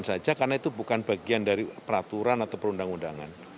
saja karena itu bukan bagian dari peraturan atau perundang undangan